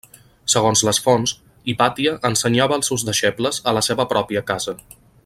Segons les fonts, Hipàtia ensenyava als seus deixebles a la seva pròpia casa.